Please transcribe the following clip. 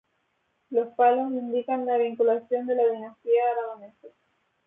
Los palos indican la vinculación a la dinastía aragonesa.